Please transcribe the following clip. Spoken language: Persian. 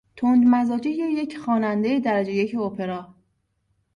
تند مزاجی یک خوانندهی درجه یک اپرا